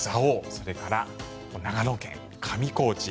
それから、長野県・上高地。